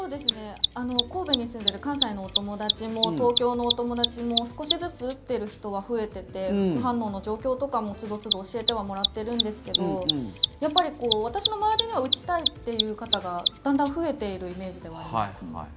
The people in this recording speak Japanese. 神戸に住んでいる関西のお友達も東京のお友達も少しずつ打っている人は増えていて副反応の状況とかも、つどつど教えてもらっているんですけどやっぱり私の周りには打ちたいという方がだんだん増えているイメージです。